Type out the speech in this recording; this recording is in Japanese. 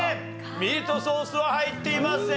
ミートソースは入っていません。